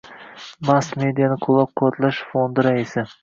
Mass-mediani qo‘llab-quvvatlash fondi raisi.